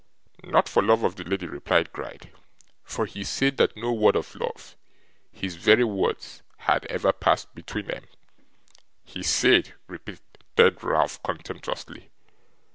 'Not for love of the lady,' replied Gride, 'for he said that no word of love his very words had ever passed between 'em.' 'He said!' repeated Ralph, contemptuously.